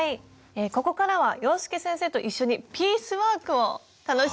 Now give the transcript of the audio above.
ここからは洋輔先生と一緒にピースワークを楽しみたいと思います。